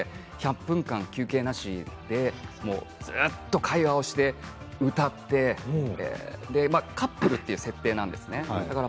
１００分間休憩なしでずっと会話をして歌ってカップルという設定なんですね。